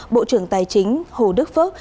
bộ trưởng tài chính hồ đức phước